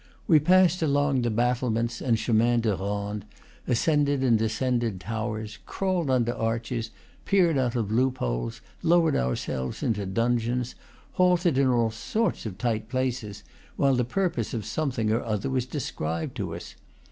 We passed along the battlements and chemins de ronde, ascended and de scended towers, crawled under arches, peered out of loop holes, lowered ourselves into dungeons, halted in all sorts of tight places, while the purpose of some thing or other was described to us.